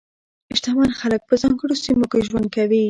شتمن خلک په ځانګړو سیمو کې ژوند کوي.